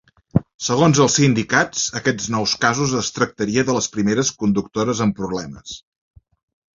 Segons els sindicats, aquests nous casos es tractaria de les primeres conductores amb problemes.